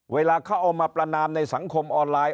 เวลาเขาเอามาประนามในสังคมออนไลน์